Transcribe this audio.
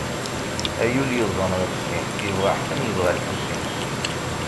Ay ul yebḍan ɣef sin, yebɣa Ḥsen, yebɣa Lḥusin.